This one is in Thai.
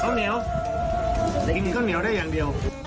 ข้าวเหนียวแต่กินข้าวเหนียวได้อย่างเดียว